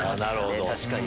確かに。